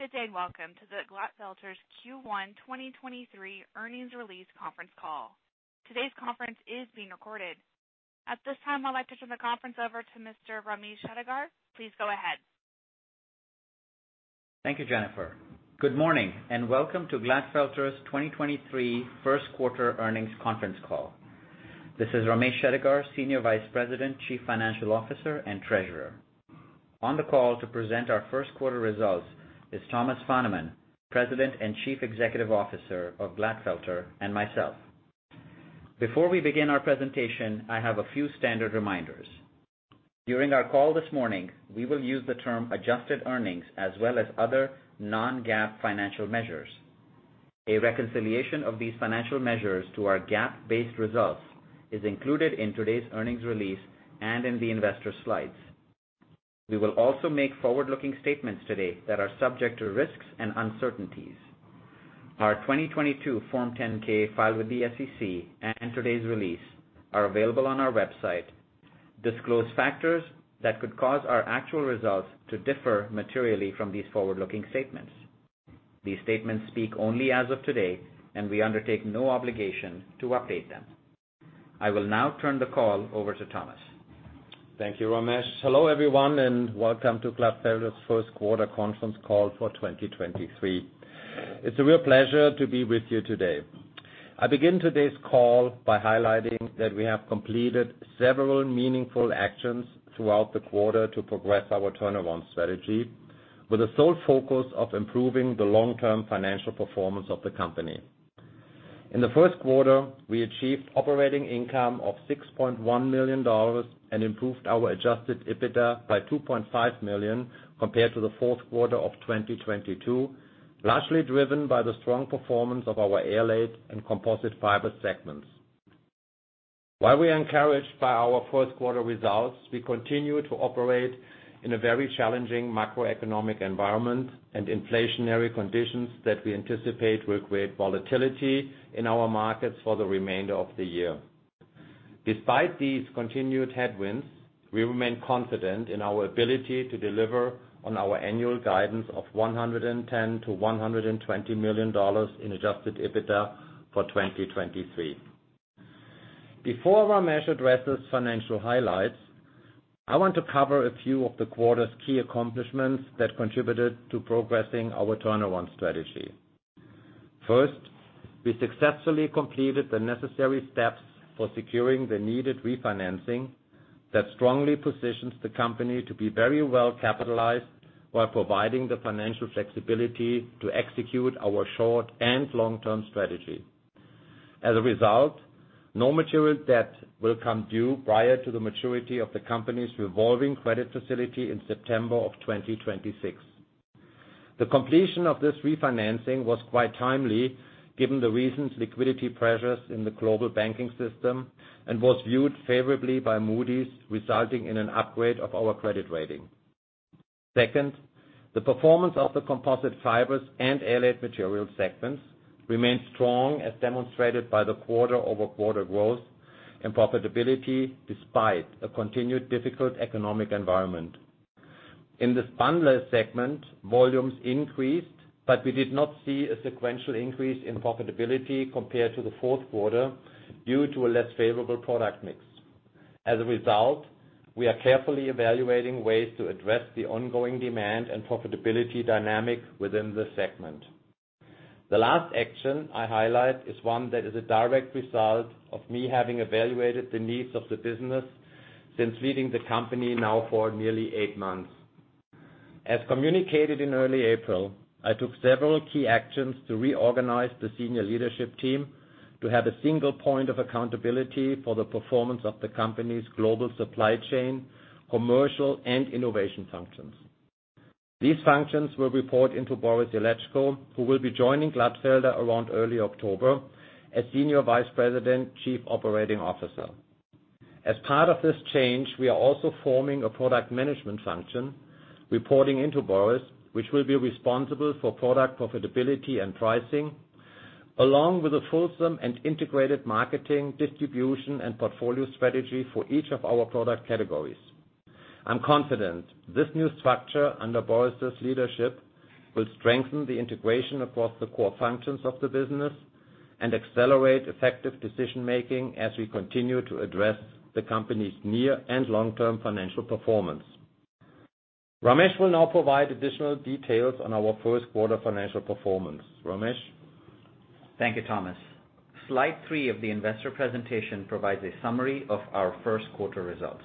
Good day, welcome to Glatfelter's Q1-2023 earnings release conference call. Today's conference is being recorded. At this time, I'd like to turn the conference over to Mr. Ramesh Shettigar. Please go ahead. Thank you, Jennifer. Good morning. Welcome to Glatfelter's 2023 first quarter earnings conference call. This is Ramesh Shettigar, Senior Vice President, Chief Financial Officer, and Treasurer. On the call to present our first quarter results is Thomas Fahnemann, President and Chief Executive Officer of Glatfelter, and myself. Before we begin our presentation, I have a few standard reminders. During our call this morning, we will use the term adjusted earnings as well as other non-GAAP financial measures. A reconciliation of these financial measures to our GAAP-based results is included in today's earnings release and in the investor slides. We will also make forward-looking statements today that are subject to risks and uncertainties. Our 2022 Form 10-K filed with the SEC and today's release are available on our website, disclose factors that could cause our actual results to differ materially from these forward-looking statements. These statements speak only as of today, and we undertake no obligation to update them. I will now turn the call over to Thomas. Thank you, Ramesh. Hello, everyone, and welcome to Glatfelter's first quarter conference call for 2023. It's a real pleasure to be with you today. I begin today's call by highlighting that we have completed several meaningful actions throughout the quarter to progress our turnaround strategy with the sole focus of improving the long-term financial performance of the company. In the first quarter, we achieved operating income of $6.1 million and improved our Adjusted EBITDA by $2.5 million compared to the fourth quarter of 2022, largely driven by the strong performance of our Airlaid and Composite Fiber segments. While we are encouraged by our first quarter results, we continue to operate in a very challenging macroeconomic environment and inflationary conditions that we anticipate will create volatility in our markets for the remainder of the year. Despite these continued headwinds, we remain confident in our ability to deliver on our annual guidance of $110 million-$120 million in Adjusted EBITDA for 2023. Before Ramesh addresses financial highlights, I want to cover a few of the quarter's key accomplishments that contributed to progressing our turnaround strategy. First, we successfully completed the necessary steps for securing the needed refinancing that strongly positions the company to be very well capitalized while providing the financial flexibility to execute our short and long-term strategy. As a result, no material debt will come due prior to the maturity of the company's revolving credit facility in September of 2026. The completion of this refinancing was quite timely, given the recent liquidity pressures in the global banking system and was viewed favorably by Moody's, resulting in an upgrade of our credit rating. Second, the performance of the Composite Fibers and Airlaid Materials segments remained strong as demonstrated by the quarter-over-quarter growth and profitability despite a continued difficult economic environment. In the Spunlace segment, volumes increased, but we did not see a sequential increase in profitability compared to the fourth quarter due to a less favorable product mix. As a result, we are carefully evaluating ways to address the ongoing demand and profitability dynamic within this segment. The last action I highlight is one that is a direct result of me having evaluated the needs of the business since leading the company now for nearly eight months. As communicated in early April, I took several key actions to reorganize the senior leadership team to have a single point of accountability for the performance of the company's global supply chain, commercial, and innovation functions. These functions will report into Boris Illetschko, who will be joining Glatfelter around early October as Senior Vice President, Chief Operating Officer. As part of this change, we are also forming a product management function reporting into Boris, which will be responsible for product profitability and pricing, along with a fulsome and integrated marketing, distribution, and portfolio strategy for each of our product categories. I'm confident this new structure under Boris' leadership will strengthen the integration across the core functions of the business and accelerate effective decision-making as we continue to address the company's near and long-term financial performance. Ramesh will now provide additional details on our first quarter financial performance. Ramesh? Thank you, Thomas. Slide three of the investor presentation provides a summary of our first quarter results.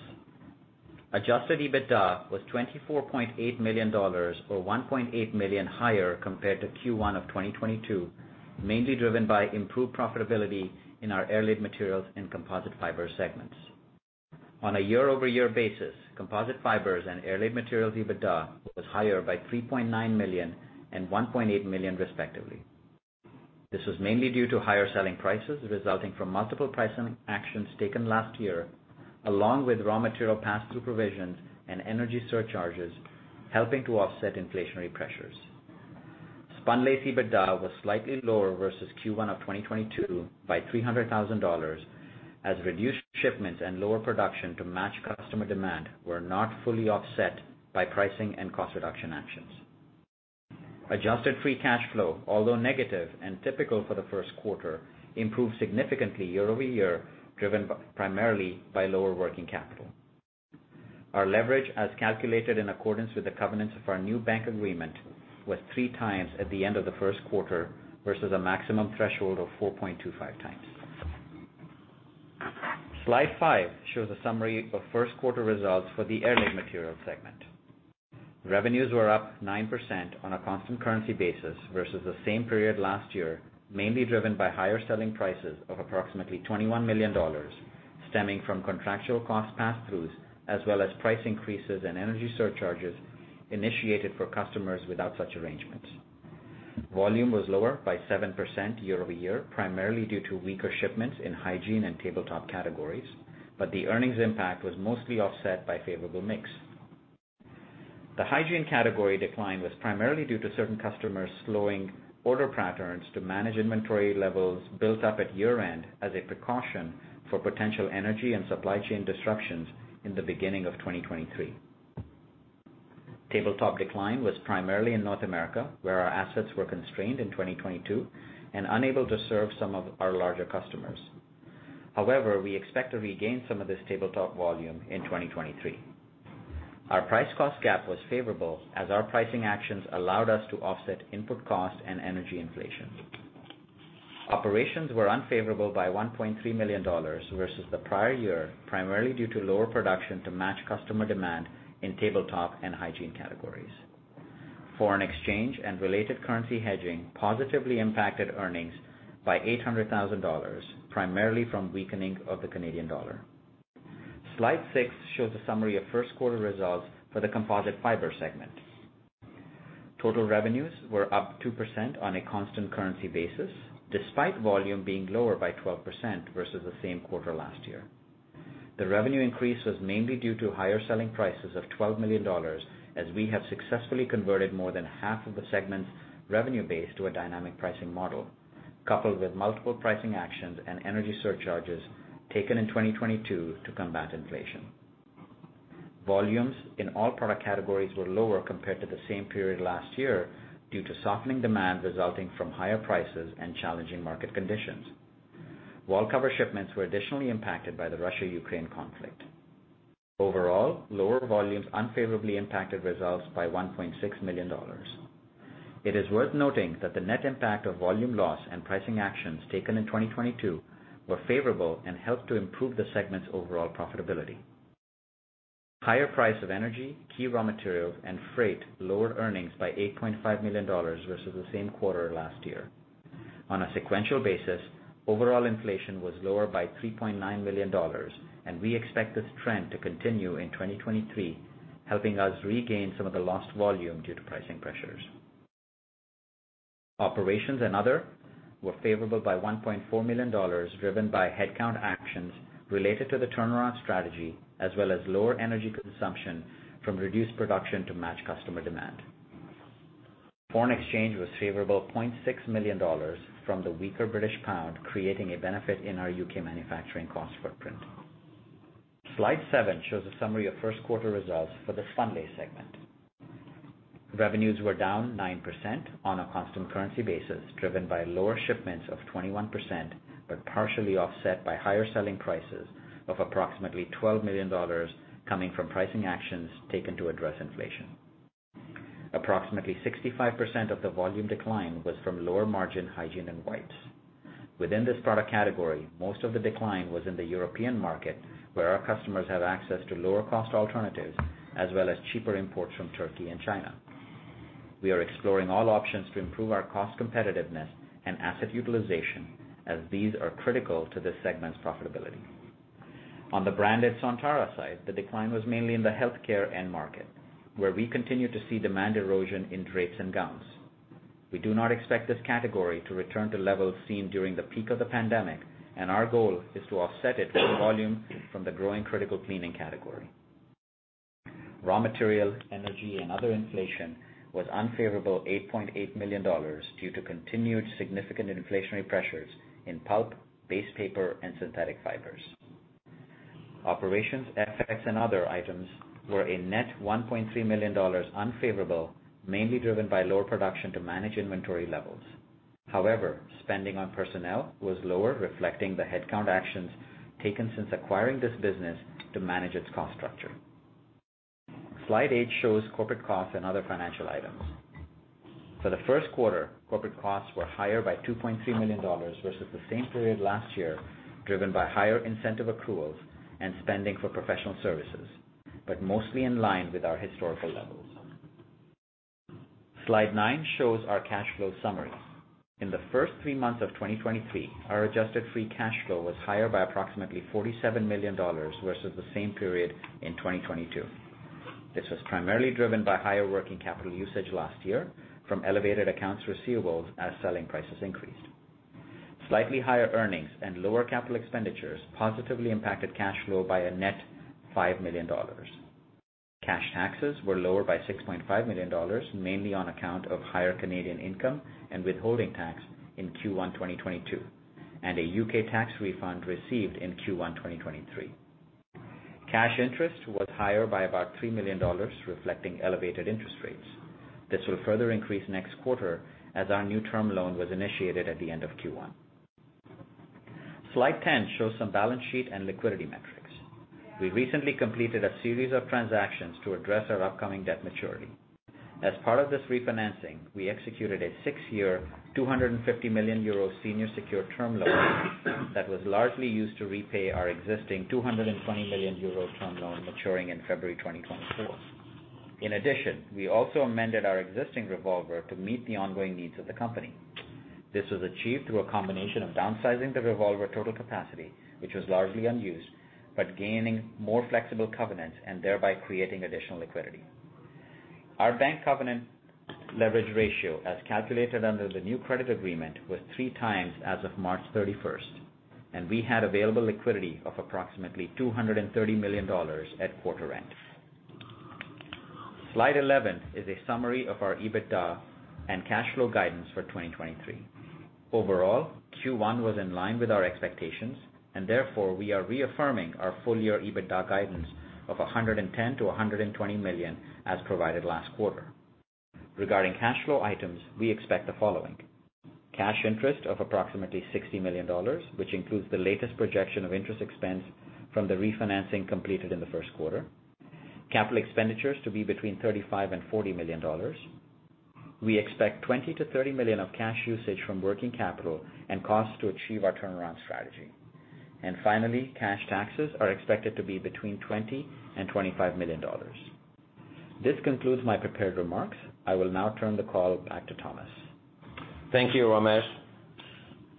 Adjusted EBITDA was $24.8 million or $1.8 million higher compared to Q1 of 2022, mainly driven by improved profitability in our Airlaid Materials and Composite Fiber segments. On a year-over-year basis, Composite Fibers and Airlaid Materials EBITDA was higher by $3.9 million and $1.8 million respectively. This was mainly due to higher selling prices resulting from multiple pricing actions taken last year, along with raw material pass-through provisions and energy surcharges helping to offset inflationary pressures. Spunlace EBITDA was slightly lower versus Q1 of 2022 by $300,000, as reduced shipments and lower production to match customer demand were not fully offset by pricing and cost reduction actions. Adjusted free cash flow, although negative and typical for the first quarter, improved significantly year-over-year, primarily by lower working capital. Our leverage as calculated in accordance with the covenants of our new bank agreement was 3x at the end of the first quarter versus a maximum threshold of 4.25x. Slide five shows a summary of first quarter results for the Airlaid Materials segment. Revenues were up 9% on a constant currency basis versus the same period last year, mainly driven by higher selling prices of approximately $21 million, stemming from contractual cost pass-throughs, as well as price increases and energy surcharges initiated for customers without such arrangements. Volume was lower by 7% year-over-year, primarily due to weaker shipments in hygiene and tabletop categories, the earnings impact was mostly offset by favorable mix. The Hygiene category decline was primarily due to certain customers slowing order patterns to manage inventory levels built up at year-end as a precaution for potential energy and supply chain disruptions in the beginning of 2023. Tabletop decline was primarily in North America, where our assets were constrained in 2022 and unable to serve some of our larger customers. However, we expect to regain some of this tabletop volume in 2023. Our price-cost gap was favorable as our pricing actions allowed us to offset input cost and energy inflation. Operations were unfavorable by $1.3 million versus the prior year, primarily due to lower production to match customer demand in tabletop and Hygiene categories. Foreign exchange and related currency hedging positively impacted earnings by $800,000, primarily from weakening of the Canadian dollar. Slide six shows a summary of first quarter results for the Composite Fiber segment. Total revenues were up 2% on a constant currency basis, despite volume being lower by 12% versus the same quarter last year. The revenue increase was mainly due to higher selling prices of $12 million, as we have successfully converted more than half of the segment's revenue base to a dynamic pricing model, coupled with multiple pricing actions and energy surcharges taken in 2022 to combat inflation. Volumes in all product categories were lower compared to the same period last year due to softening demand resulting from higher prices and challenging market conditions. Wallcover shipments were additionally impacted by the Russia-Ukraine conflict. Overall, lower volumes unfavorably impacted results by $1.6 million. It is worth noting that the net impact of volume loss and pricing actions taken in 2022 were favorable and helped to improve the segment's overall profitability. Higher price of energy, key raw materials, and freight lowered earnings by $8.5 million versus the same quarter last year. On a sequential basis, overall inflation was lower by $3.9 million, and we expect this trend to continue in 2023, helping us regain some of the lost volume due to pricing pressures. Operations and other were favorable by $1.4 million, driven by headcount actions related to the turnaround strategy as well as lower energy consumption from reduced production to match customer demand. Foreign exchange was favorable $0.6 million from the weaker British pound, creating a benefit in our U.K. manufacturing cost footprint. Slide seven shows a summary of first quarter results for the Spunlace segment. Revenues were down 9% on a constant currency basis, driven by lower shipments of 21%, but partially offset by higher selling prices of approximately $12 million coming from pricing actions taken to address inflation. Approximately 65% of the volume decline was from lower-margin Hygiene and wipes. Within this product category, most of the decline was in the European market, where our customers have access to lower-cost alternatives as well as cheaper imports from Turkey and China. We are exploring all options to improve our cost competitiveness and asset utilization, as these are critical to this segment's profitability. On the branded Sontara side, the decline was mainly in the healthcare end market, where we continue to see demand erosion in drapes and gowns. We do not expect this category to return to levels seen during the peak of the pandemic. Our goal is to offset it with volume from the growing critical cleaning category. Raw material, energy, and other inflation was unfavorable $8.8 million due to continued significant inflationary pressures in pulp, base paper, and synthetic fibers. Operations, FX, and other items were a net $1.3 million unfavorable, mainly driven by lower production to manage inventory levels. However, spending on personnel was lower, reflecting the headcount actions taken since acquiring this business to manage its cost structure. Slide eight shows corporate costs and other financial items. For the first quarter, corporate costs were higher by $2.3 million versus the same period last year, driven by higher incentive accruals and spending for professional services, but mostly in line with our historical levels. Slide nine shows our cash flow summary. In the first three months of 2023, our Adjusted free cash flow was higher by approximately $47 million versus the same period in 2022. This was primarily driven by higher working capital usage last year from elevated accounts receivables as selling prices increased. Slightly higher earnings and lower capital expenditures positively impacted cash flow by a net $5 million. Cash taxes were lower by $6.5 million, mainly on account of higher Canadian income and withholding tax in Q1, 2022, and a U.K. tax refund received in Q1, 2023. Cash interest was higher by about $3 million, reflecting elevated interest rates. This will further increase next quarter as our new term loan was initiated at the end of Q1. Slide 10 shows some balance sheet and liquidity metrics. We recently completed a series of transactions to address our upcoming debt maturity. As part of this refinancing, we executed a six-year, 250 million euro senior secured term loan that was largely used to repay our existing 220 million euro term loan maturing in February 2024. In addition, we also amended our existing revolver to meet the ongoing needs of the company. This was achieved through a combination of downsizing the revolver total capacity, which was largely unused, but gaining more flexible covenants and thereby creating additional liquidity. Our bank covenant leverage ratio, as calculated under the new credit agreement, was 3x as of March 31st, and we had available liquidity of approximately $230 million at quarter end. Slide 11 is a summary of our EBITDA and cash flow guidance for 2023. Overall, Q1 was in line with our expectations, therefore we are reaffirming our full year EBITDA guidance of $110 million-$120 million as provided last quarter. Regarding cash flow items, we expect the following: Cash interest of approximately $60 million, which includes the latest projection of interest expense from the refinancing completed in the first quarter. Capital expenditures to be between $35 million-$40 million. We expect $20 million-$30 million of cash usage from working capital and costs to achieve our turnaround strategy. Finally, cash taxes are expected to be between $20 million-$25 million. This concludes my prepared remarks. I will now turn the call back to Thomas. Thank you, Ramesh.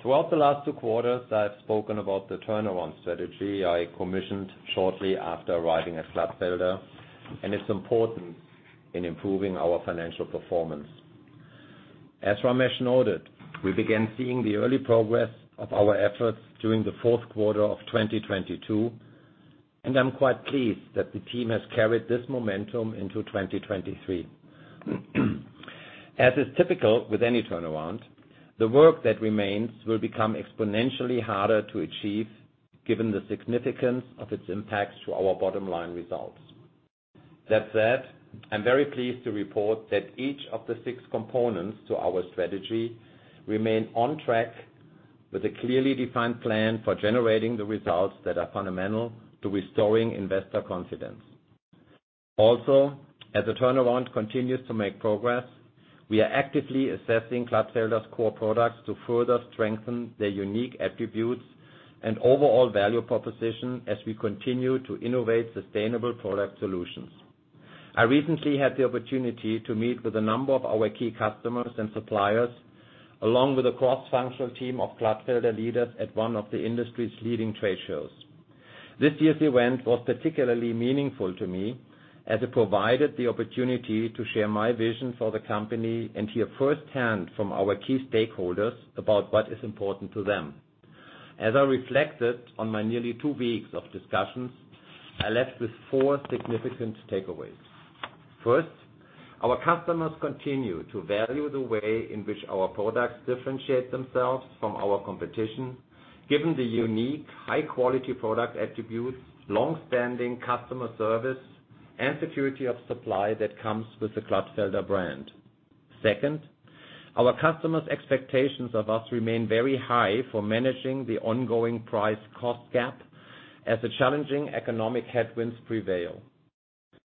Throughout the last two quarters, I've spoken about the turnaround strategy I commissioned shortly after arriving at Glatfelter, and it's important in improving our financial performance. As Ramesh noted, we began seeing the early progress of our efforts during the fourth quarter of 2022, and I'm quite pleased that the team has carried this momentum into 2023. As is typical with any turnaround, the work that remains will become exponentially harder to achieve given the significance of its impacts to our bottom line results. That said, I'm very pleased to report that each of the six components to our strategy remain on track with a clearly defined plan for generating the results that are fundamental to restoring investor confidence. Also, as the turnaround continues to make progress, we are actively assessing Glatfelter's core products to further strengthen their unique attributes and overall value proposition as we continue to innovate sustainable product solutions. I recently had the opportunity to meet with a number of our key customers and suppliers, along with a cross-functional team of Glatfelter leaders at one of the industry's leading trade shows. This year's event was particularly meaningful to me as it provided the opportunity to share my vision for the company and hear firsthand from our key stakeholders about what is important to them. As I reflected on my nearly two weeks of discussions, I left with four significant takeaways. First, our customers continue to value the way in which our products differentiate themselves from our competition, given the unique, high quality product attributes, long-standing customer service, and security of supply that comes with the Glatfelter brand. Second, our customers' expectations of us remain very high for managing the ongoing price-cost gap as the challenging economic headwinds prevail.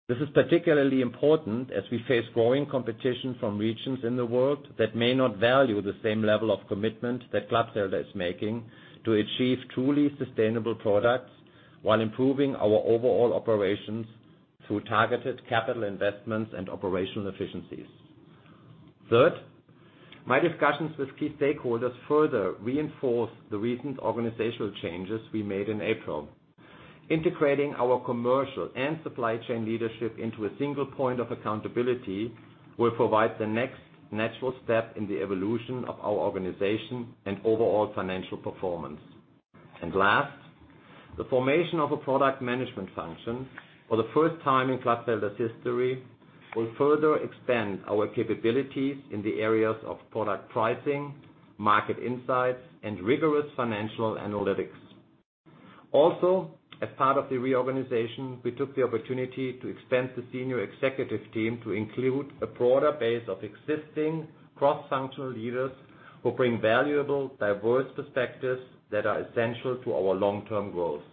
This is particularly important as we face growing competition from regions in the world that may not value the same level of commitment that Glatfelter is making to achieve truly sustainable products while improving our overall operations through targeted capital investments and operational efficiencies. Third, my discussions with key stakeholders further reinforce the recent organizational changes we made in April. Integrating our commercial and supply chain leadership into a single point of accountability will provide the next natural step in the evolution of our organization and overall financial performance. Last, the formation of a product management function for the first time in Glatfelter's history will further expand our capabilities in the areas of product pricing, market insights, and rigorous financial analytics. As part of the reorganization, we took the opportunity to expand the senior executive team to include a broader base of existing cross-functional leaders who bring valuable, diverse perspectives that are essential to our long-term growth.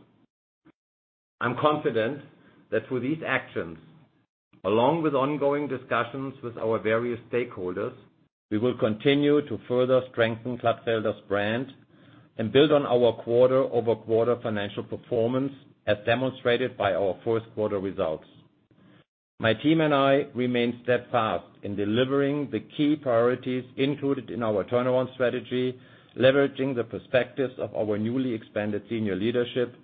I'm confident that through these actions, along with ongoing discussions with our various stakeholders, we will continue to further strengthen Glatfelter's brand and build on our quarter-over-quarter financial performance as demonstrated by our first quarter results. My team and I remain steadfast in delivering the key priorities included in our turnaround strategy, leveraging the perspectives of our newly expanded senior leadership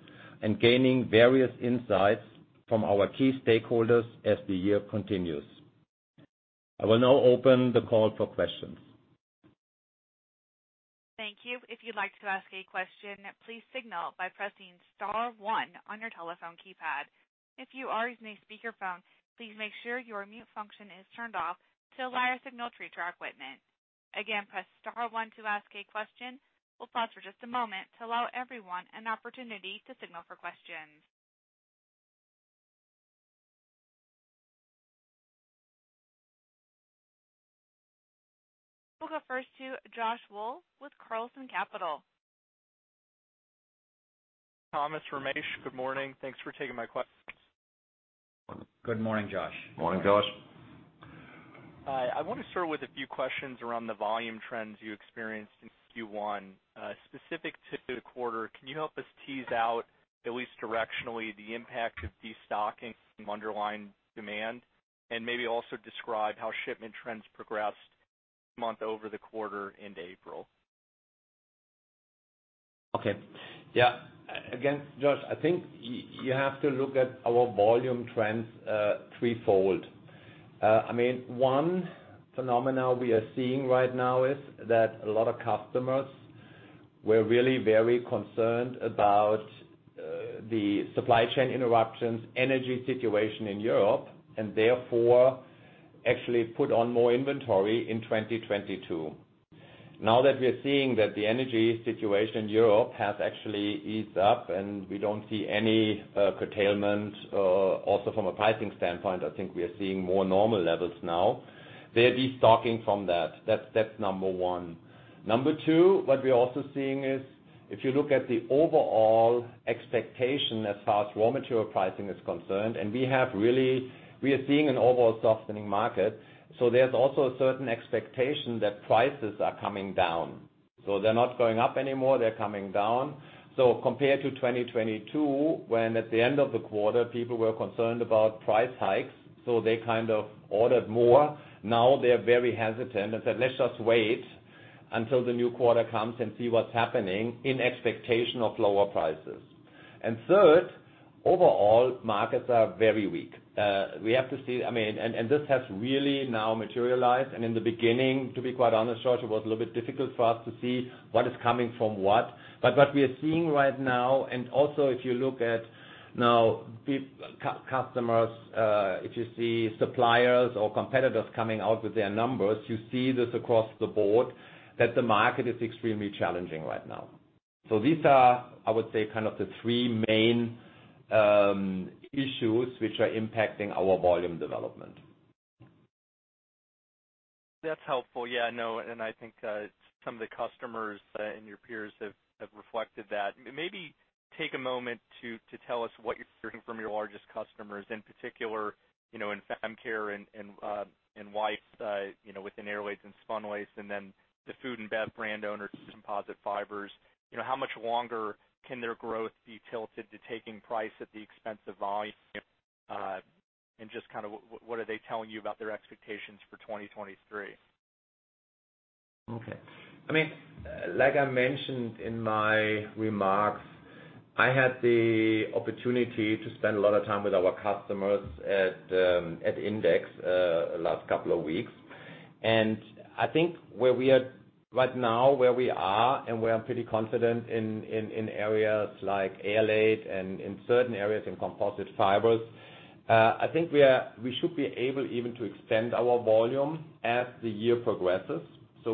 and gaining various insights from our key stakeholders as the year continues. I will now open the call for questions. Thank you. If you'd like to ask a question, please signal by pressing star one on your telephone keypad. If you are using a speakerphone, please make sure your mute function is turned off to allow your signal through to our equipment. Again, press star one to ask a question. We'll pause for just a moment to allow everyone an opportunity to signal for questions. We'll go first to Josh Wool with Carlson Capital. Thomas, Ramesh. Good morning. Thanks for taking my. Good morning, Josh. Morning, Josh. Hi. I want to start with a few questions around the volume trends you experienced in Q1. Specific to the quarter, can you help us tease out, at least directionally, the impact of destocking from underlying demand? Maybe also describe how shipment trends progressed month over the quarter into April. Okay. Again, Josh, I think you have to look at our volume trends threefold. I mean, one phenomena we are seeing right now is that a lot of customers were really very concerned about the supply chain interruptions, energy situation in Europe, and therefore actually put on more inventory in 2022. Now that we are seeing that the energy situation in Europe has actually eased up and we don't see any curtailment, also from a pricing standpoint, I think we are seeing more normal levels now. They're destocking from that. That's number one. Number two, what we're also seeing is if you look at the overall expectation as far as raw material pricing is concerned, and we have we are seeing an overall softening market, so there's also a certain expectation that prices are coming down. They're not going up anymore, they're coming down. Compared to 2022, when at the end of the quarter people were concerned about price hikes, so they kind of ordered more. Now they are very hesitant and said, "Let's just wait until the new quarter comes and see what's happening," in expectation of lower prices. Third, overall, markets are very weak. We have to see... I mean, and this has really now materialized. In the beginning, to be quite honest, Josh, it was a little bit difficult for us to see what is coming from what. What we are seeing right now, and also if you look at now customers, if you see suppliers or competitors coming out with their numbers, you see this across the board, that the market is extremely challenging right now. These are, I would say, kind of the three main issues which are impacting our volume development. That's helpful. Yeah, no, I think some of the customers and your peers have reflected that. Maybe take a moment to tell us what you're hearing from your largest customers, in particular, you know, in fem care and in wipes, you know, within Airlaid and Spunlace, and then the food and bev brand owners, Composite Fibers. You know, how much longer can their growth be tilted to taking price at the expense of volume? Just kind of what are they telling you about their expectations for 2023? Okay. I mean, like I mentioned in my remarks, I had the opportunity to spend a lot of time with our customers at INDEX last couple of weeks. I think where we are right now, and we are pretty confident in areas like Airlaid and in certain areas in Composite Fibers, I think we should be able even to extend our volume as the year progresses.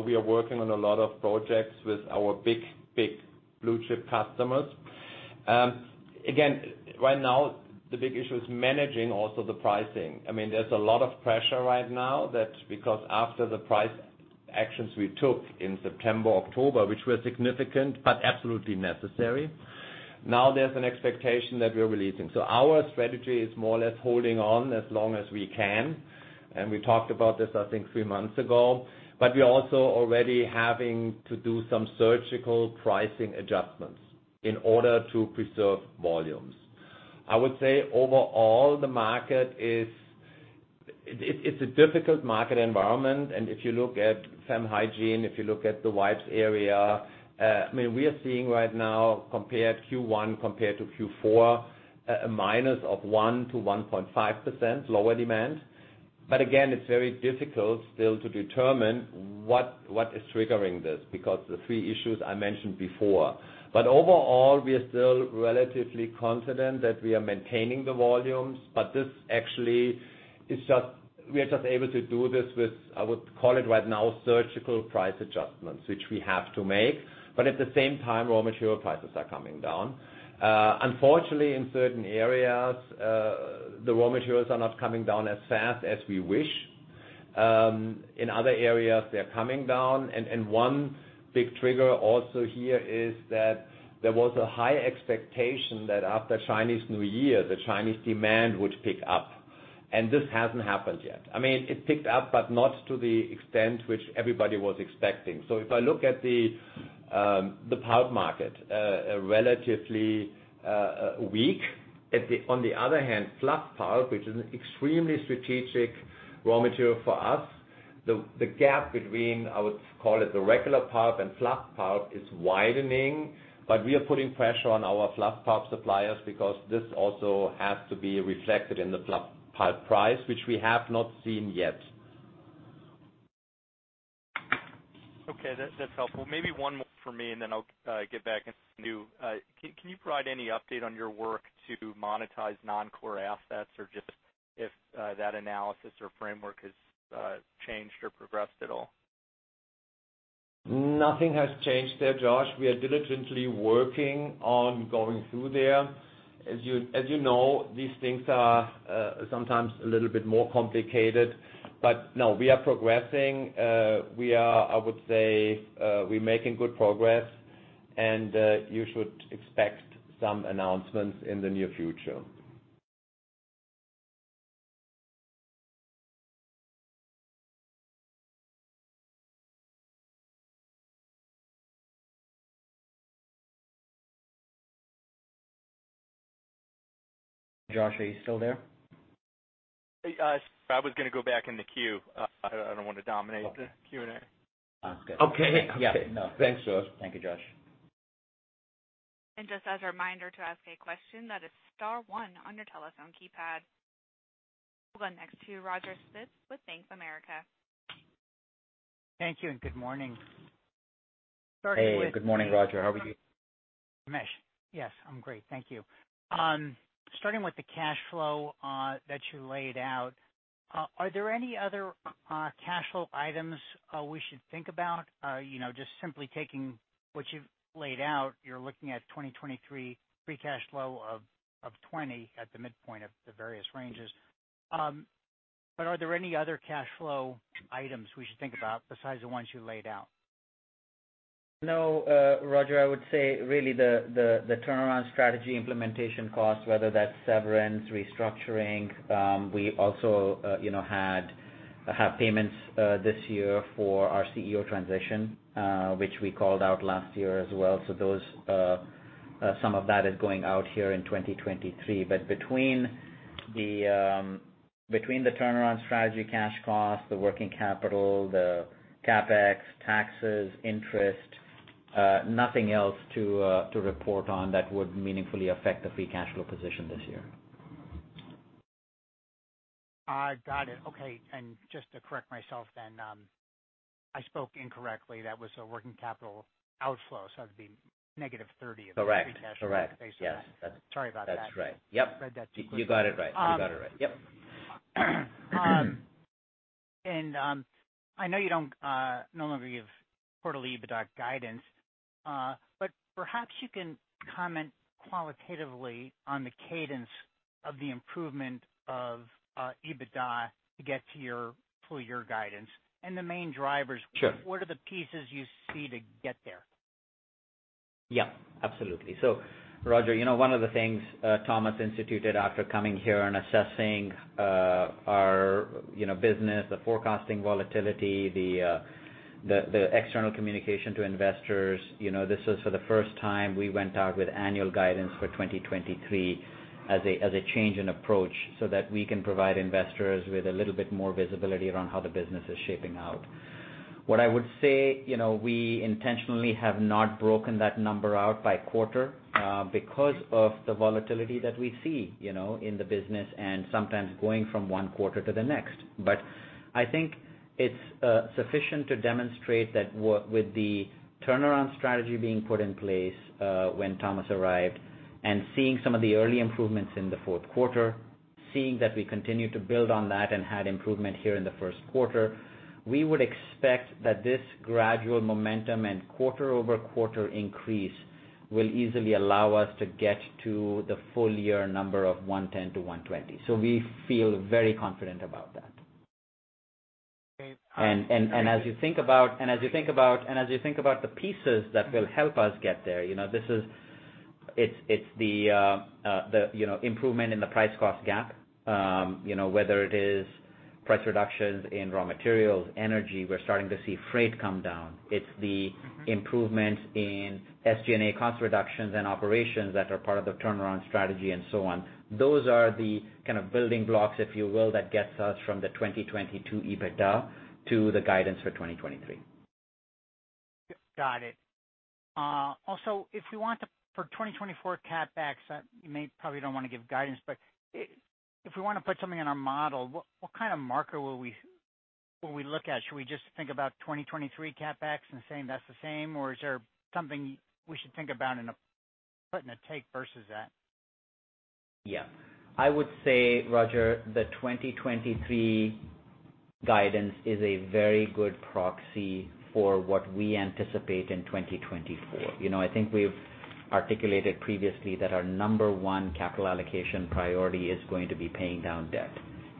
We are working on a lot of projects with our big blue chip customers. Again, right now the big issue is managing also the pricing. I mean, there's a lot of pressure right now that because after the price actions we took in September, October, which were significant but absolutely necessary, now there's an expectation that we're releasing. Our strategy is more or less holding on as long as we can, and we talked about this, I think, three months ago. We're also already having to do some surgical pricing adjustments in order to preserve volumes. I would say overall the market is... It's a difficult market environment, and if you look at Feminine Hygiene, if you look at the wipes area, I mean, we are seeing right now compared Q1 compared to Q4 a minus of 1%-1.5% lower demand. Again, it's very difficult still to determine what is triggering this, because the three issues I mentioned before. Overall, we are still relatively confident that we are maintaining the volumes. This actually we are just able to do this with, I would call it right now, surgical price adjustments, which we have to make, but at the same time, raw material prices are coming down. Unfortunately, in certain areas, the raw materials are not coming down as fast as we wish. In other areas, they're coming down. One big trigger also here is that there was a high expectation that after Chinese New Year, the Chinese demand would pick up, and this hasn't happened yet. I mean, it picked up, but not to the extent which everybody was expecting. If I look at the pulp market, relatively weak. On the other hand, fluff pulp, which is an extremely strategic raw material for us. The gap between, I would call it the regular pulp and fluff pulp is widening. We are putting pressure on our fluff pulp suppliers because this also has to be reflected in the fluff pulp price, which we have not seen yet. Okay, that's helpful. Maybe one more for me, and then I'll get back into new. Can you provide any update on your work to monetize non-core assets or just if that analysis or framework has changed or progressed at all? Nothing has changed there, Josh. We are diligently working on going through there. As you know, these things are sometimes a little bit more complicated. No, we are progressing. We are, I would say, we're making good progress and you should expect some announcements in the near future. Josh, are you still there? I was gonna go back in the queue. I don't want to. Okay. the Q&A. Sounds good. Okay. Yeah. No. Thanks, Josh. Thank you, Josh. Just as a reminder, to ask a question, that is star one on your telephone keypad. We'll go next to Roger Spitz with Bank of America. Thank you and good morning. Hey, good morning, Roger. How are you? Ramesh. Yes, I'm great. Thank you. Starting with the cash flow that you laid out, are there any other cash flow items we should think about? You know, just simply taking what you've laid out, you're looking at 2023 free cash flow of $20 at the midpoint of the various ranges. Are there any other cash flow items we should think about besides the ones you laid out? No, Roger. I would say really the, the turnaround strategy implementation costs, whether that's severance, restructuring. We also, you know, have payments this year for our CEO transition, which we called out last year as well. Those, some of that is going out here in 2023. Between the turnaround strategy cash costs, the working capital, the CapEx, taxes, interest, nothing else to report on that would meaningfully affect the free cash flow position this year. I got it. Okay. Just to correct myself then, I spoke incorrectly. That was a working capital outflow, so it'd be negative. Correct. of the free cash flow based on that. Correct. Yes. Sorry about that. That's right. Yep. Read that too quickly. You got it right. You got it right. Yep. I know you don't no longer give quarterly EBITDA guidance, but perhaps you can comment qualitatively on the cadence of the improvement of EBITDA to get to your full year guidance and the main drivers. Sure. What are the pieces you see to get there? Yeah, absolutely. Roger, you know, one of the things, Thomas instituted after coming here and assessing, our, you know, business, the forecasting volatility, the external communication to investors, you know, this is for the first time we went out with annual guidance for 2023 as a, as a change in approach so that we can provide investors with a little bit more visibility around how the business is shaping out. What I would say, you know, we intentionally have not broken that number out by quarter, because of the volatility that we see, you know, in the business and sometimes going from one quarter to the next. I think it's sufficient to demonstrate that with the turnaround strategy being put in place, when Thomas arrived and seeing some of the early improvements in the fourth quarter, seeing that we continue to build on that and had improvement here in the first quarter, we would expect that this gradual momentum and quarter-over-quarter increase will easily allow us to get to the full year number of $110-$120. We feel very confident about that. Okay. As you think about the pieces that will help us get there, you know, this is. It's the, you know, improvement in the price-cost gap, you know, whether it is price reductions in raw materials, energy, we're starting to see freight come down. It's the improvements in SG&A cost reductions and operations that are part of the turnaround strategy and so on. Those are the kind of building blocks, if you will, that gets us from the 2022 EBITDA to the guidance for 2023. Got it. Also, if you want to, for 2024 CapEx, you may probably don't wanna give guidance, but if we wanna put something in our model, what kind of marker will we look at? Should we just think about 2023 CapEx and saying that's the same? Is there something we should think about putting a take versus that? Yeah. I would say, Roger, the 2023 guidance is a very good proxy for what we anticipate in 2024. You know, I think we've articulated previously that our number one capital allocation priority is going to be paying down debt,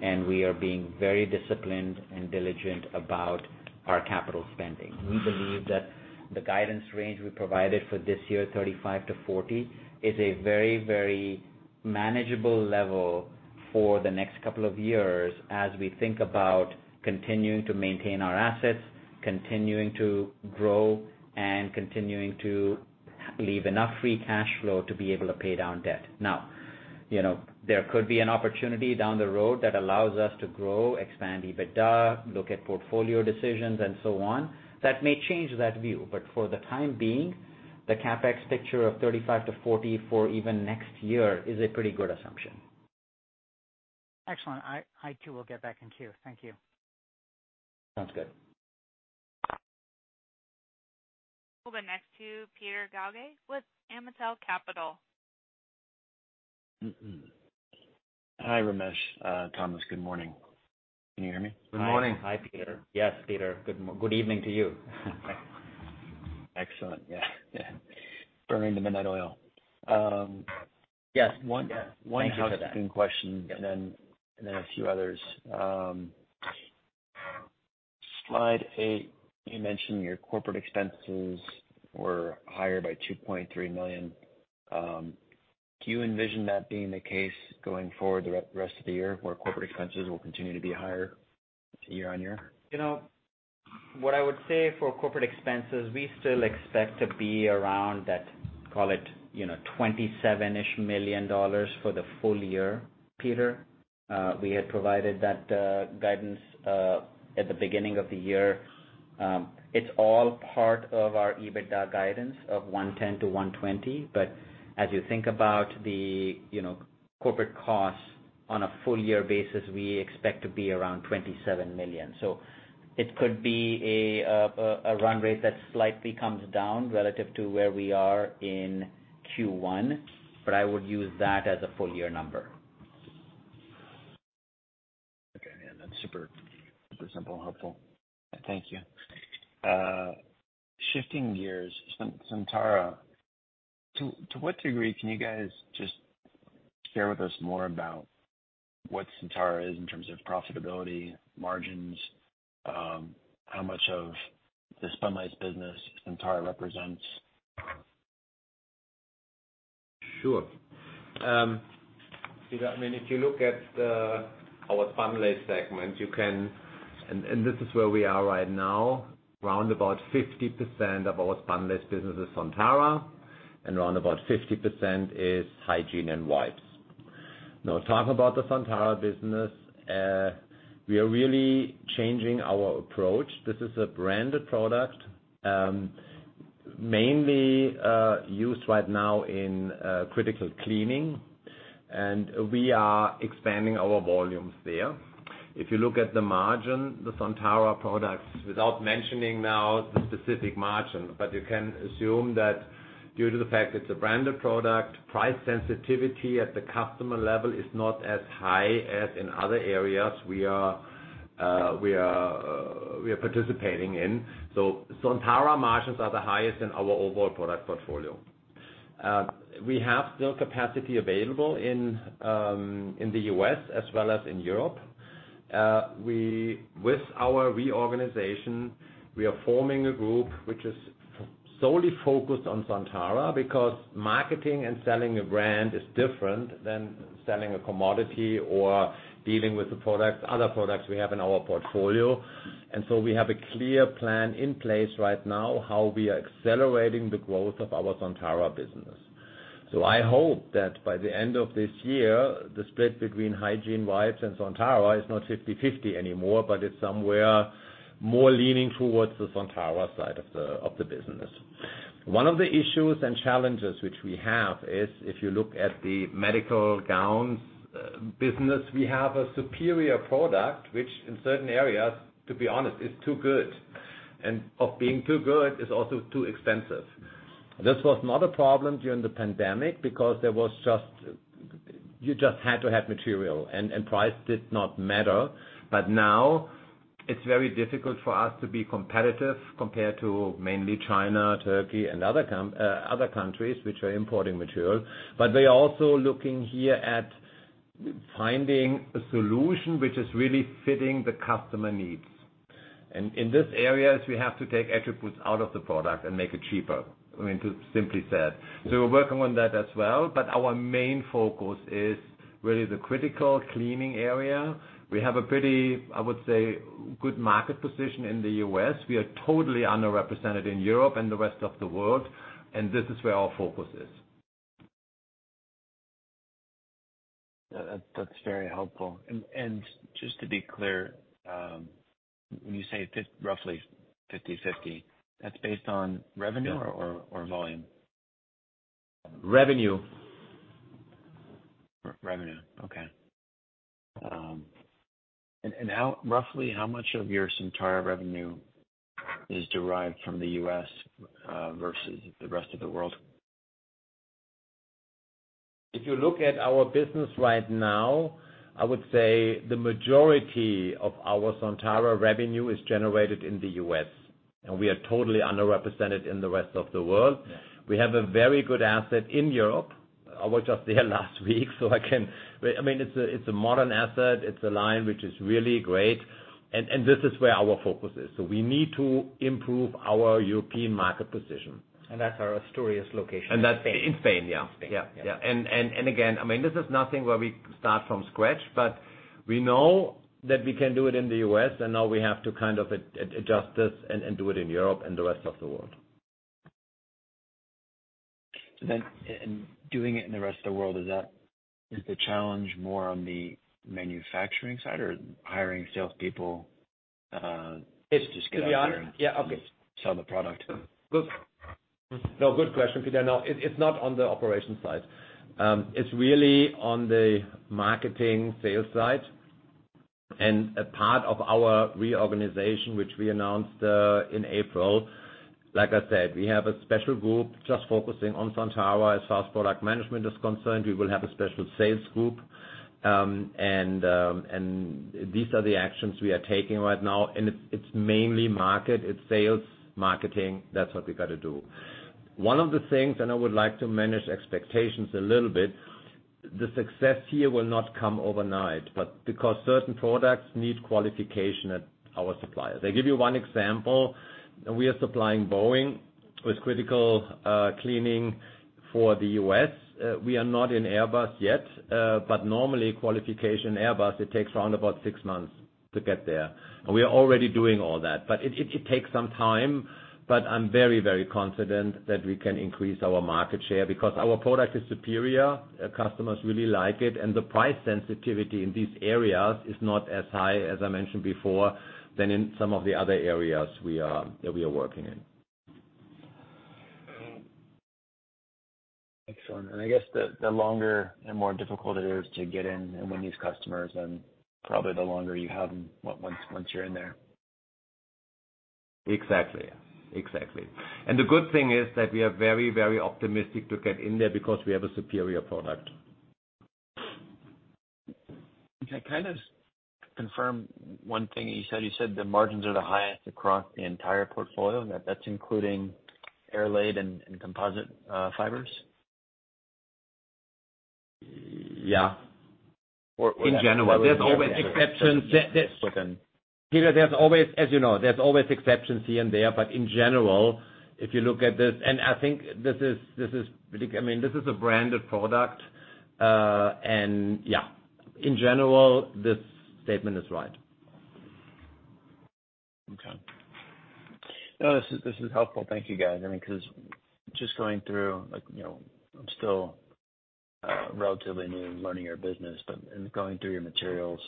and we are being very disciplined and diligent about our capital spending. We believe that the guidance range we provided for this year, 35-40, is a very, very manageable level for the next couple of years as we think about continuing to maintain our assets, continuing to grow, and continuing to leave enough free cash flow to be able to pay down debt. Now, you know, there could be an opportunity down the road that allows us to grow, expand EBITDA, look at portfolio decisions, and so on. That may change that view, but for the time being, the CapEx picture of $35-$40 for even next year is a pretty good assumption. Excellent. I too will get back in queue. Thank you. Sounds good. We'll go next to Peter Galgay with Amitell Capital. Hi, Ramesh, Thomas, good morning. Can you hear me? Good morning. Hi. Hi, Peter. Yes, Peter. Good evening to you. Excellent. Yeah. Yeah. Burning the midnight oil. Yes. Thank you for that. One housekeeping question and then a few others. Slide eight, you mentioned your corporate expenses were higher by $2.3 million. Do you envision that being the case going forward the rest of the year, where corporate expenses will continue to be higher year-on-year? You know, what I would say for corporate expenses, we still expect to be around that, call it, you know, $27-ish million for the full year, Peter. We had provided that guidance at the beginning of the year. It's all part of our EBITDA guidance of $110-$120. As you think about the, you know, corporate costs on a full year basis, we expect to be around $27 million. It could be a run rate that slightly comes down relative to where we are in Q1, but I would use that as a full year number. Okay. Yeah, that's super simple and helpful. Thank you. shifting gears. Sontara, to what degree can you guys just share with us more about what Sontara is in terms of profitability, margins, how much of the spunlace business Sontara represents? Sure. Peter, I mean, if you look at our Spunlace segment, you can. This is where we are right now. Round about 50% of our Spunlace business is Sontara, and round about 50% is Hygiene and wipes. Talk about the Sontara business. We are really changing our approach. This is a branded product, mainly used right now in critical cleaning, and we are expanding our volumes there. If you look at the margin, the Sontara products, without mentioning now the specific margin, you can assume that due to the fact it's a branded product, price sensitivity at the customer level is not as high as in other areas we are participating in. Sontara margins are the highest in our overall product portfolio. We have still capacity available in the U.S. as well as in Europe. With our reorganization, we are forming a group which is solely focused on Sontara, because marketing and selling a brand is different than selling a commodity or dealing with the products, other products we have in our portfolio. We have a clear plan in place right now how we are accelerating the growth of our Sontara business. I hope that by the end of this year, the split between Hygiene wipes and Sontara is not 50/50 anymore, but it's somewhere more leaning towards the Sontara side of the business. One of the issues and challenges which we have is if you look at the medical gowns business, we have a superior product which in certain areas, to be honest, is too good, and of being too good is also too expensive. This was not a problem during the pandemic because you just had to have material and price did not matter. Now it's very difficult for us to be competitive compared to mainly China, Turkey and other countries which are importing material. We are also looking here at finding a solution which is really fitting the customer needs. In these areas, we have to take attributes out of the product and make it cheaper. I mean, to simply said. We're working on that as well. Our main focus is really the critical cleaning area. We have a pretty, I would say, good market position in the U.S. We are totally underrepresented in Europe and the rest of the world. This is where our focus is. Yeah. That's very helpful. Just to be clear, when you say roughly 50/50, that's based on revenue or volume? Revenue. Re-revenue. Okay. How roughly how much of your Sontara revenue is derived from the U.S., versus the rest of the world? If you look at our business right now, I would say the majority of our Sontara revenue is generated in the U.S., and we are totally underrepresented in the rest of the world. Yeah. We have a very good asset in Europe. I was just there last week. I mean, it's a modern asset. It's a line which is really great. This is where our focus is. We need to improve our European market position. That's our Asturias location in Spain. In Spain, yeah. In Spain. Yeah, yeah. Again, I mean, this is nothing where we start from scratch, but We know that we can do it in the U.S., and now we have to adjust this and do it in Europe and the rest of the world. In doing it in the rest of the world, is the challenge more on the manufacturing side or hiring salespeople? It's... Just get out there. To be honest. Yeah. Okay. Sell the product. Good. No, good question, Peter Galgay. No, it's not on the operation side. It's really on the marketing sales side and a part of our reorganization, which we announced in April. Like I said, we have a special group just focusing on Sontara. As far as product management is concerned, we will have a special sales group. These are the actions we are taking right now, and it's mainly market, it's sales, marketing. That's what we've got to do. One of the things, and I would like to manage expectations a little bit, the success here will not come overnight, but because certain products need qualification at our suppliers. I give you one example. We are supplying Boeing with critical cleaning for the U.S. We are not in Airbus yet, but normally qualification Airbus, it takes around about six months to get there. We are already doing all that. It takes some time, but I'm very, very confident that we can increase our market share because our product is superior, our customers really like it, and the price sensitivity in these areas is not as high, as I mentioned before, than in some of the other areas that we are working in. Excellent. I guess the longer and more difficult it is to get in and win these customers, then probably the longer you have once you're in there. Exactly. The good thing is that we are very optimistic to get in there because we have a superior product. Okay. Kind of confirm one thing you said. You said the margins are the highest across the entire portfolio. That's including Airlaid and Composite Fibers? Yeah. Or- In general. There's always exceptions. Okay. Peter, there's always. As you know, there's always exceptions here and there. In general, if you look at this, and I think this is really, I mean, this is a branded product, and yeah, in general, this statement is right. Okay. No, this is helpful. Thank you, guys. I mean, 'cause just going through, like, you know, I'm still relatively new in learning your business, but in going through your materials,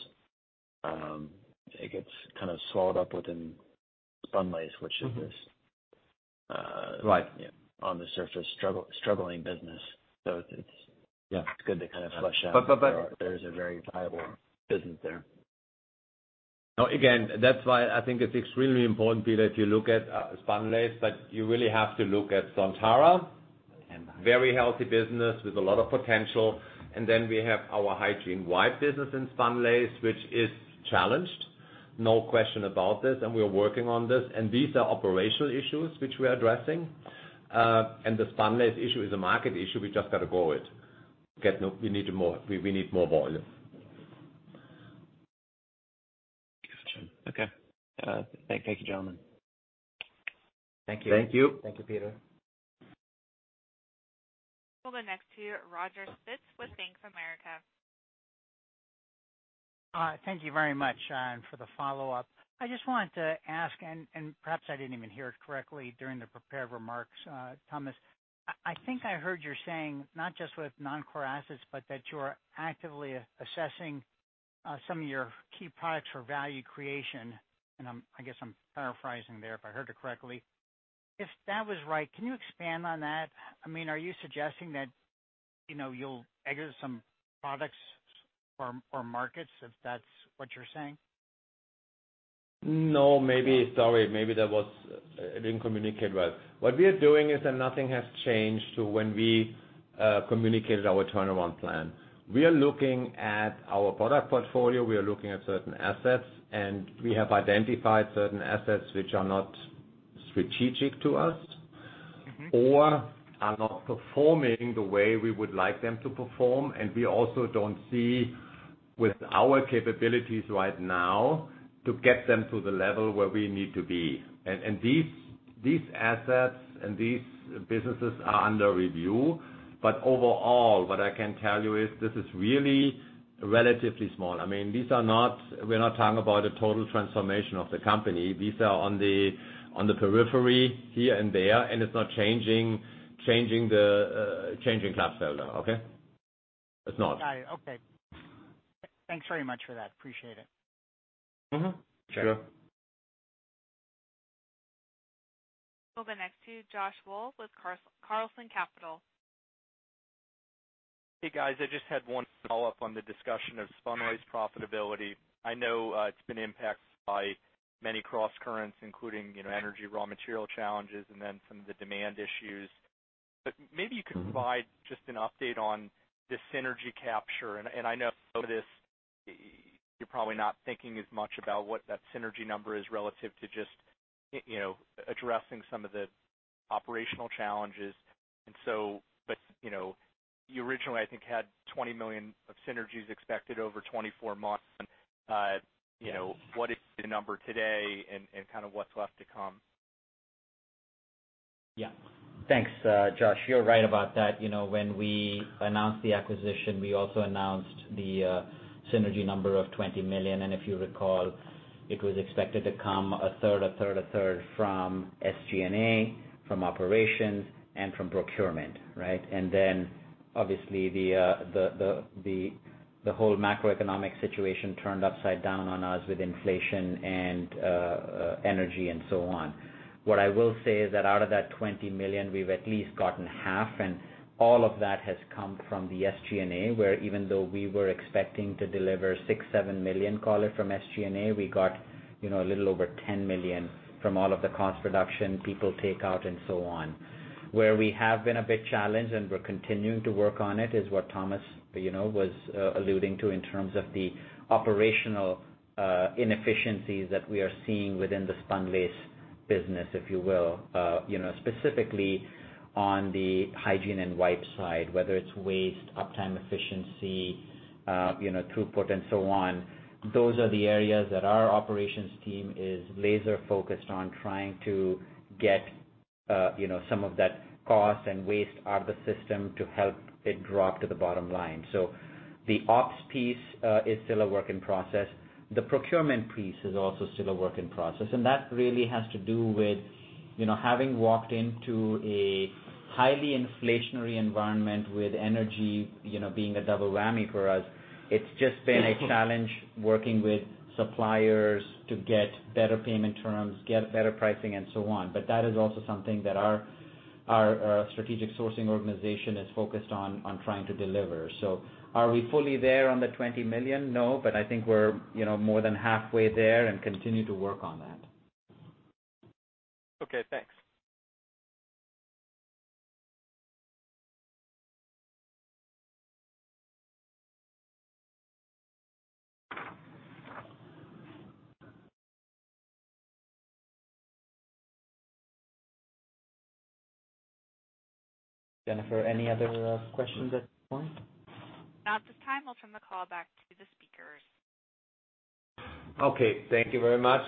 it gets kind of swallowed up within Spunlace, which is this. Right. On the surface, struggling business. Yeah. It's good to kind of flush out. But, but, but- There is a very viable business there. No, again, that's why I think it's extremely important, Peter, if you look at Spunlace, but you really have to look at Sontara. Okay. Very healthy business with a lot of potential. Then we have our Hygiene wipe business in Spunlace, which is challenged, no question about this, and we are working on this. The Spunlace issue is a market issue, we just got to grow it. We need more volume. Gotcha. Okay. Thank you, gentlemen. Thank you. Thank you. Thank you, Peter. We'll go next to Roger Spitz with Bank of America. Thank you very much, and for the follow-up. I just wanted to ask, and perhaps I didn't even hear it correctly during the prepared remarks, Thomas. I think I heard you saying not just with non-core assets, but that you are actively assessing some of your key products for value creation. I guess I'm paraphrasing there if I heard it correctly. If that was right, can you expand on that? I mean, are you suggesting that, you know, you'll exit some products or markets, if that's what you're saying? No, maybe. Sorry. Maybe I didn't communicate well. What we are doing is that nothing has changed to when we communicated our turnaround plan. We are looking at our product portfolio, we are looking at certain assets. We have identified certain assets which are not strategic to us. Mm-hmm. Are not performing the way we would like them to perform. We also don't see, with our capabilities right now, to get them to the level where we need to be. These assets and these businesses are under review. Overall, what I can tell you is this is really relatively small. I mean, we're not talking about a total transformation of the company. These are on the, on the periphery here and there, and it's not changing the changing Glatfelter, okay? It's not. Got it. Okay. Thanks very much for that. Appreciate it. Mm-hmm. Sure. Sure. We'll go next to Josh Wool with Carlson Capital. Hey, guys. I just had one follow-up on the discussion of Spunlace profitability. I know, it's been impacted by many crosscurrents, including, you know, energy, raw material challenges, and then some of the demand issues. Maybe you could provide just an update on the synergy capture. I know some of this you're probably not thinking as much about what that synergy number is relative to just, you know, addressing some of the operational challenges. You know, you originally, I think, had $20 million of synergies expected over 24 months. You know, what is the number today and kind of what's left to come? Yeah. Thanks, Josh. You're right about that. You know, when we announced the acquisition, we also announced the synergy number of $20 million. If you recall, it was expected to come a third, a third, a third from SG&A, from operations, and from procurement, right? Obviously the whole macroeconomic situation turned upside down on us with inflation and energy and so on. What I will say is that out of that $20 million, we've at least gotten half, and all of that has come from the SG&A, where even though we were expecting to deliver $6 million-$7 million, call it, from SG&A, we got, you know, a little over $10 million from all of the cost reduction, people takeout and so on. Where we have been a bit challenged, we're continuing to work on it, is what Thomas, you know, was alluding to in terms of the operational inefficiencies that we are seeing within the Spunlace business, if you will, you know, specifically on the Hygiene and wipe side, whether it's waste, uptime efficiency, you know, throughput and so on. Those are the areas that our operations team is laser focused on trying to get, you know, some of that cost and waste out of the system to help it drop to the bottom line. The ops piece is still a work in process. The procurement piece is also still a work in process, that really has to do with, you know, having walked into a highly inflationary environment with energy, you know, being a double whammy for us. It's just been a challenge working with suppliers to get better payment terms, get better pricing and so on. That is also something that our strategic sourcing organization is focused on trying to deliver. Are we fully there on the $20 million? No, I think we're, you know, more than halfway there and continue to work on that. Okay, thanks. Jennifer, any other questions at this point? Not at this time. I'll turn the call back to the speakers. Okay, thank you very much.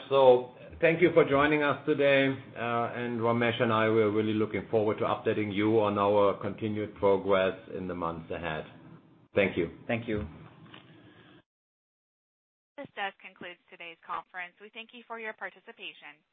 Thank you for joining us today, and Ramesh and I, we're really looking forward to updating you on our continued progress in the months ahead. Thank you. Thank you. This does conclude today's conference. We thank you for your participation.